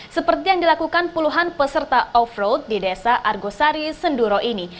seperti yang dilakukan puluhan peserta off road di desa argosari senduro ini